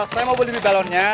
saya mau beli balonnya